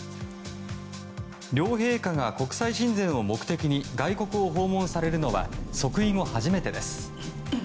両陛下が国際親善を目的に外国を訪問されるのは即位後初めてです。